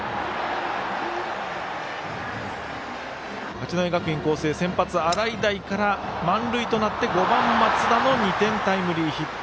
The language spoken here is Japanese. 八戸学院光星、先発、洗平から満塁となって５番松田の２点タイムリーヒット。